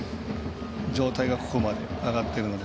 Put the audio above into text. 状態がここまで上がってるので。